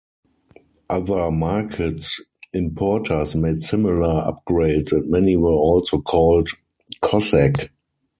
Other markets' importers made similar upgrades and many were also called "Cossack".